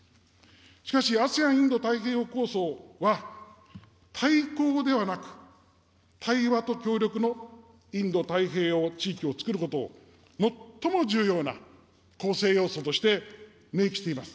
しかし、ＡＳＥＡＮインド太平洋構想は、対抗ではなく、対話と協力のインド太平洋地域をつくることを最も重要な構成要素として明記しています。